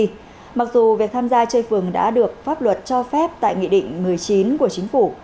mặc dù việc tham gia chơi phường đã được pháp luật cho phép tại nghị định một mươi chín của chính phủ